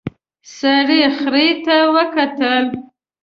سړي خرې ته وکتل.